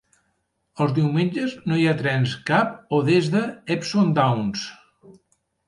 Els diumenges no hi ha trens cap a o des de Epsom Downs.